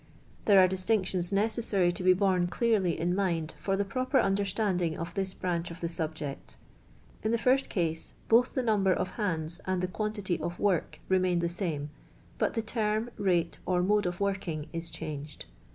These are distinctions necessary to be borne clearly in mind for the proper understanding of this branch of the subject. In the first case both the number of hands and the quantity of work remain the same, but the term, rate, or mode of working is changed.